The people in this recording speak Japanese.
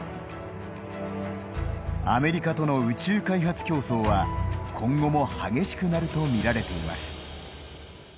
アメリカとの宇宙開発競争は今後も激しくなると見られています。